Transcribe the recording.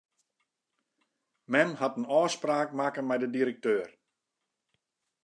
Mem hat in ôfspraak makke mei de direkteur.